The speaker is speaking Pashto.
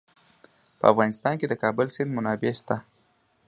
په افغانستان کې د د کابل سیند منابع شته.